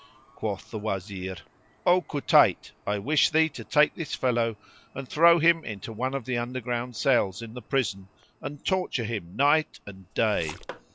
Quoth the Wazir, "O Kutayt, I wish thee to take this fellow and throw him into one of the underground cells[FN#72] in the prison and torture him night and day."